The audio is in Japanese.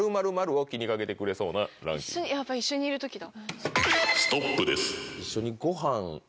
やっぱ一緒にいる時だ。